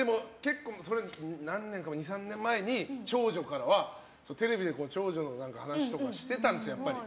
でも、２３年前に長女からは、テレビで長女の話とかしてたんですよ。